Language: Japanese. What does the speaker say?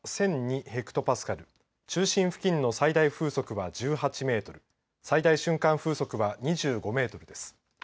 ヘクトパスカル中心付近の最大風速は１８メートル、最大瞬間風速は２５メートルです。